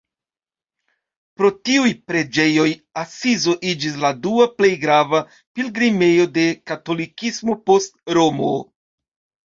Pro tiuj preĝejoj Asizo iĝis la dua plej grava pilgrimejo de katolikismo post Romo.